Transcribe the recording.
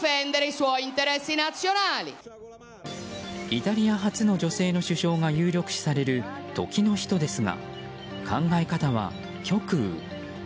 イタリア初の女性の首相が有力視される、時の人ですが考え方は極右。